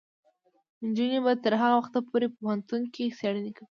نجونې به تر هغه وخته پورې په پوهنتونونو کې څیړنې کوي.